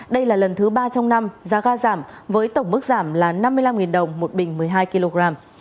đây là lần thứ ba trong năm giá ga giảm với tổng mức giảm là năm mươi năm đồng một bình một mươi hai kg